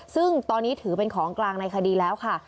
ซึ่งตอนนี้ถือเป็นของกลางในคดีแล้วค่ะ